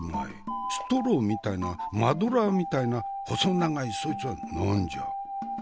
ストローみたいなマドラーみたいな細長いそいつは何じゃ？